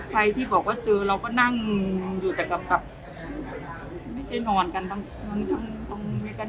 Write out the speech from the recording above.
ใครที่บอกว่าเจอเราก็นั่งอยู่แต่กับไม่ใช่นอนกันทั้งเมียกัน